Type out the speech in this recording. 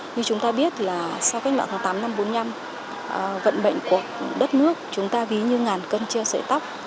như chúng ta biết là sau cách mạng tháng tám năm bốn mươi năm vận mệnh của đất nước chúng ta ví như ngàn cân treo sợi tóc